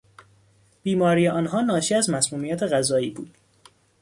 بیماری آنها ناشی از مسمومیت غذایی بود.